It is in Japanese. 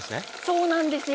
そうなんですよ。